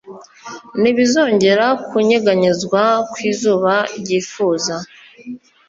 ntibizongera kunyeganyezwa kwizuba ryifuza